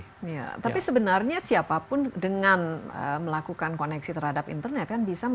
ya tapi sebenarnya siapapun dengan melakukan koneksi terhadap internet